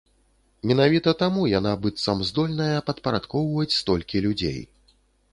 Менавіта таму яна, быццам, здольная падпарадкоўваць столькі людзей.